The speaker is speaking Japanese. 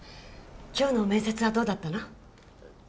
きょうの面接はどうだったの？